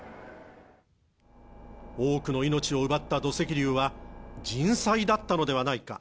多くの命を奪った土石流は人災だったのではないか。